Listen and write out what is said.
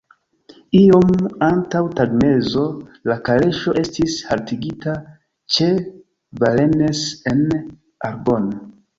Iom antaŭ tagmezo la kaleŝo estis haltigita ĉe Varennes-en-Argonne.